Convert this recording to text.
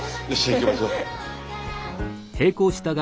行きましょう。